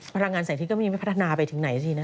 พลังงานใส่ที่ก็ไม่พัฒนาไปถึงไหนสินะ